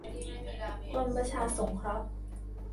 กรมประชาสงเคราะห์